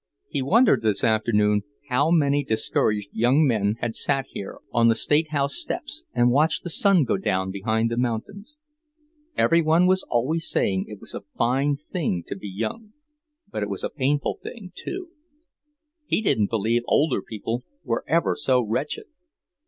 He wondered this afternoon how many discouraged young men had sat here on the State House steps and watched the sun go down behind the mountains. Every one was always saying it was a fine thing to be young; but it was a painful thing, too. He didn't believe older people were ever so wretched.